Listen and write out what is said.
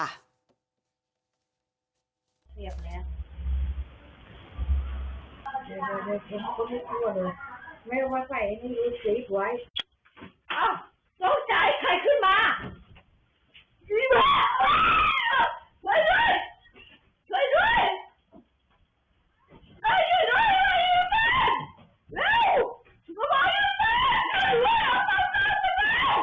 ช่วยด้วย